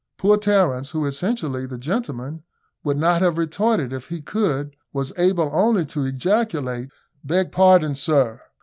Poor Terence, who, essentially the gentleman, would not have retorted if he could, was able only to ejaculate, "Beg pardon, sir!"